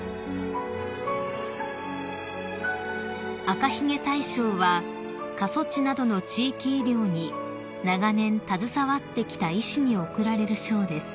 ［赤ひげ大賞は過疎地などの地域医療に長年携わってきた医師に贈られる賞です］